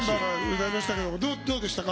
歌いましたけど、どうでしたか？